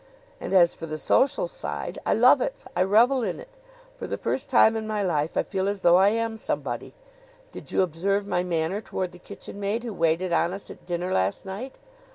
And, as for the social side, I love it; I revel in it. For the first time in my life I feel as though I am somebody. Did you observe my manner toward the kitchen maid who waited on us at dinner last night?